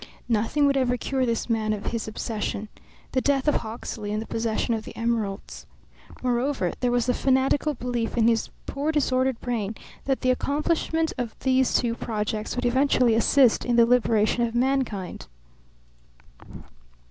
Nothing would ever cure this man of his obsession the death of Hawksley and the possession of the emeralds. Moreover, there was the fanatical belief in his poor disordered brain that the accomplishment of these two projects would eventually assist in the liberation of mankind.